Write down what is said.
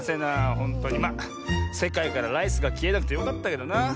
ほんとにまあせかいからライスがきえなくてよかったけどな。